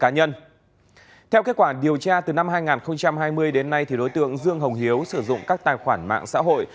năm hai nghìn hai mươi đến nay đối tượng dương hồng hiếu sử dụng các tài khoản mạng xã hội